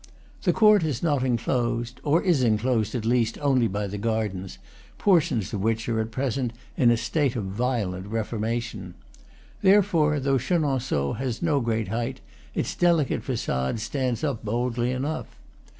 This court is not enclosed or is enclosed, at least, only by the gardens, portions of which are at present in a state of violent reforma tion. Therefore, though Chenonceaux has no great height, its delicate facade stands up boldly enough.